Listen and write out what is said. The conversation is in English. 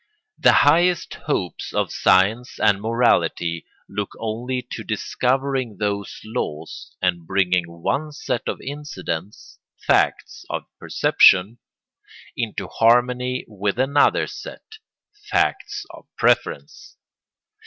The highest hopes of science and morality look only to discovering those laws and bringing one set of incidents—facts of perception—into harmony with another set—facts of preference.